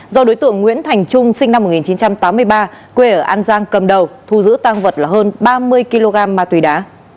do đối tượng nguyễn thành trung sinh năm một nghìn chín trăm tám mươi ba quê ở an giang cầm đầu thu giữ tăng vật là hơn ba mươi kg ma túy đá